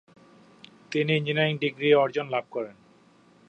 তিনি engineering degree অর্জন লাভ করেন।